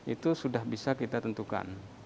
itu sudah bisa kita tentukan